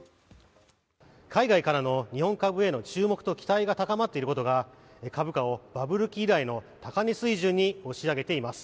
海外からの日本株への注目と期待が高まっていることが株価をバブル期以来の高値水準に押し上げています。